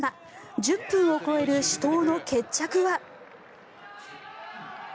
１０分を超える死闘の決着は。